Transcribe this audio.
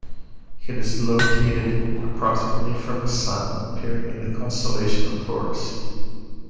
It is located approximately from the Sun, appearing in the constellation of Taurus.